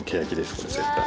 これ絶対。